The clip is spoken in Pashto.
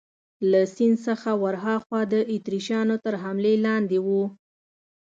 له سیند څخه ورهاخوا د اتریشیانو تر حملې لاندې وو.